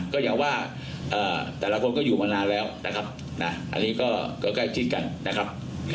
ก็อย่างว่าแต่ละคนก็อยู่มานานแล้วนะครับอันนี้ก็ใกล้ชิดกันนะครับ